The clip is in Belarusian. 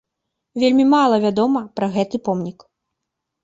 Вельмі мала вядома пра гэты помнік.